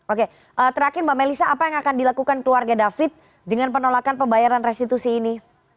oke terakhir mbak melisa apa yang akan dilakukan keluarga david dengan penolakan pembayaran restitusi ini